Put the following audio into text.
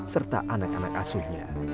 serta anak anak asuhnya